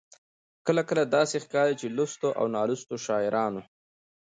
کله کله داسې ښکاري چې لوستو او نالوستو شاعرانو.